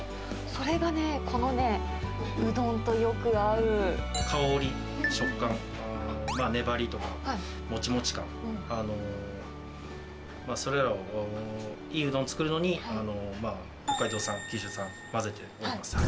それがね、このね、うどんとよく香り、食感、粘りとか、もちもち感、それらを、いいうどん作るのに、北海道産、九州産、混ぜております。